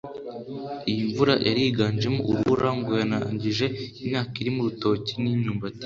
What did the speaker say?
Iyi mvura yari yiganjemo urubura ngo yanangije imyaka irimo urutoki n’imyumbati